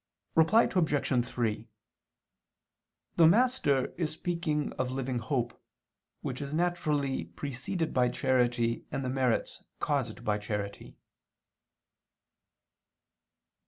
Reply Obj. 3: The Master is speaking of living hope, which is naturally preceded by charity and the merits caused by charity.